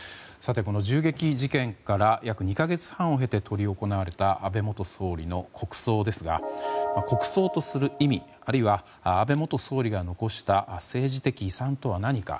銃撃事件から約２か月半を経て執り行われた安倍元総理の国葬ですが国葬とする意味、あるいは安倍元総理が残した政治的遺産とは何か。